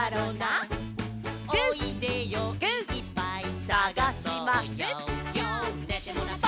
「おいでよいっぱいさがそうよ」